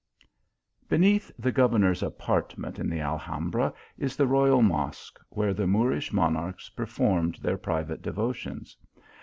BENEATH the governor s apartment in the Al hambra, is the royal Mosque, where the Moorish monarchs performed their private devotions.